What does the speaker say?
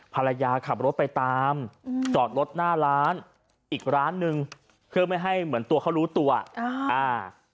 ภรรยาขับรถไปตามอืมจอดรถหน้าร้านอีกร้านหนึ่งเพื่อไม่ให้เหมือนตัวเขารู้ตัวอ่าอ่า